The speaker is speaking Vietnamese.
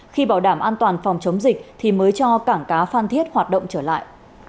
khi bảo đảm an toàn phòng chống dịch thì mới cho cảng cá phan thiết hoạt động trở lại